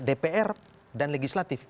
dpr dan legislatif